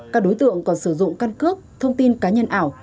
các đối tượng còn sử dụng căn cước thông tin cá nhân ảo